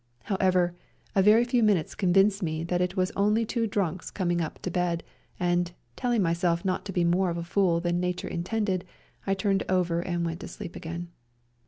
However, s. very few minutes convinced me that it was only two drunks coming up to bed, ^nd, telling myself not to be more of a fool than nature intended, I turned over and went to sleep again.